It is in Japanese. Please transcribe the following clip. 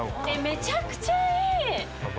めちゃくちゃいい。